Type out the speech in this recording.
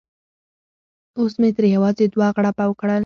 اوس مې ترې یوازې دوه غړپه وکړه.